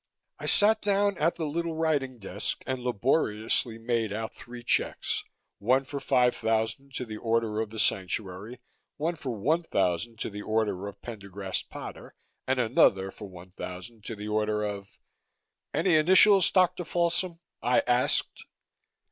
I sat down at the little writing desk and laboriously made out three checks: one for five thousand to the order of the Sanctuary, one for one thousand to the order of Pendergast Potter, and another for one thousand to the order of "Any initials, Dr. Folsom?" I asked.